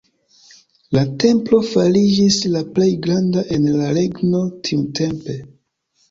La templo fariĝis la plej granda en la regno tiutempe.